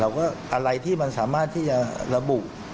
อะไรที่มันสามารถที่จะระบุ